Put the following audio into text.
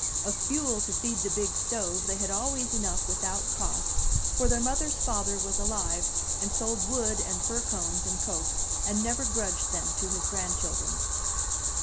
Of fuel to feed the big stove they had always enough without cost, for their mother's father was alive, and sold wood and fir cones and coke, and never grudged them to his grandchildren.